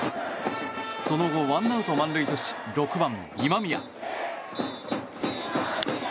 その後、１アウト満塁とし６番、今宮。